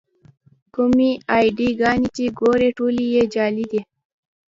کومې اې ډي ګانې چې ګورئ ټولې یې جعلي دي.